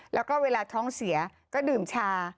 แล้วก็เวลาท้องเสียก็ดื่มชา